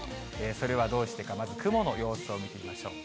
それはどうしてか、まず雲の様子を見てみましょう。